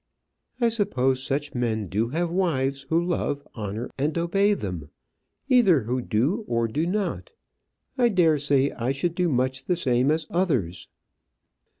"I suppose such men do have wives who love, honour, and obey them; either who do or do not. I dare say I should do much the same as others."